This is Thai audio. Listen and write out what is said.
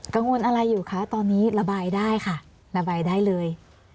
กังวลอะไรอยู่คะตอนนี้ระบายได้ค่ะระบายได้เลย